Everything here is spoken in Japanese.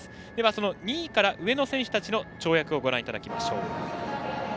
その２位から上の選手たちの跳躍ご覧いただきます。